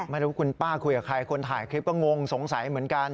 ไม่รู้คุณป้าคุยกับใครคนถ่ายคลิปก็งงสงสัยเหมือนกัน